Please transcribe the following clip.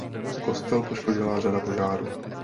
Kostel poškodila řada požárů.